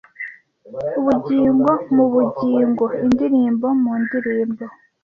Ubugingo mu bugingo, indirimbo mu ndirimbo,